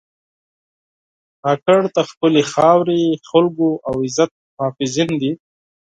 کاکړ د خپلې خاورې، خلکو او عزت محافظین دي.